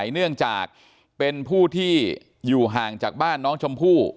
เนื่องจากเป็นผู้ที่อยู่ห่างจากบ้านน้องชมพู่